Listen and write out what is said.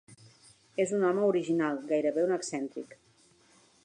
És un home original, gairebé un excèntric.